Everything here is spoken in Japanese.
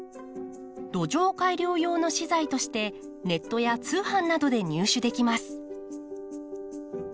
土壌改良用の資材としてネットや通販などで入手できます。